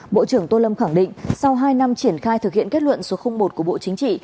bộ trưởng tô lâm khẳng định sau hai năm triển khai thực hiện kết luận số một của bộ chính trị